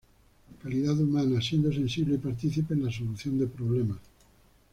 Calidad humana siendo sensible y participe en la solución de problemas.